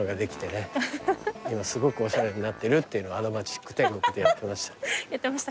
今すごくおしゃれになってるっていうのを『アド街ック天国』でやってました。